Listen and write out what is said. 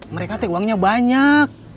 mereka teh uangnya banyak